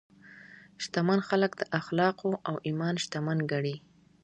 شتمن خلک د اخلاقو او ایمان شتمن ګڼي.